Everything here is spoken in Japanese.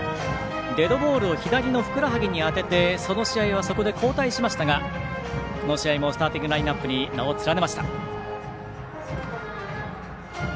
デッドボールを左のふくらはぎに当ててその試合はそこで交代しましたがこの試合もスターティングラインナップに名を連ねました。